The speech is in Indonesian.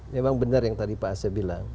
memang benar yang tadi pak asep bilang